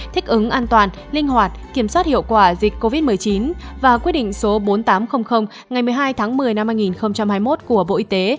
thích ứng an toàn linh hoạt kiểm soát hiệu quả dịch covid một mươi chín và quyết định số bốn nghìn tám trăm linh ngày một mươi hai tháng một mươi năm hai nghìn hai mươi một của bộ y tế